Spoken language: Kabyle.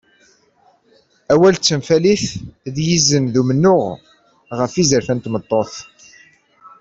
Awal d tenfalit d yizen d umennuɣ ɣef yizerfan n tmeṭṭut.